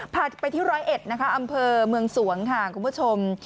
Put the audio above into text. พาไปที่๑๐๑อำเภอเมืองสวงค่ะคุณผู้ชม